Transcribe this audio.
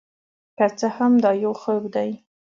که څه هم دا یو خوب دی،